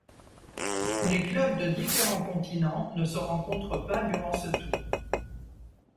Les clubs de différents continents ne se rencontrent pas durant ce tour.